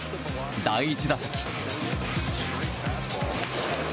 第１打席。